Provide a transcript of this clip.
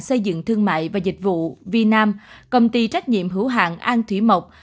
xây dựng thương mại và dịch vụ vnam công ty trách nhiệm hữu hạng an thủy mộc